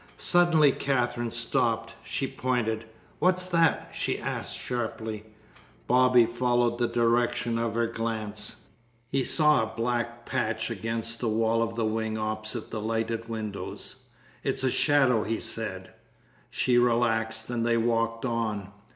Suddenly Katherine stopped. She pointed. "What's that?" she asked sharply. Bobby followed the direction of her glance. He saw a black patch against the wall of the wing opposite the lighted windows. "It is a shadow," he said. She relaxed and they walked on.